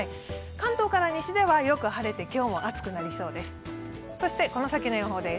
関東から西ではよく晴れて、今日も暑くなりそうです。